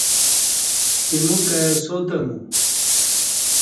ایمو کا ئی ساتہ مو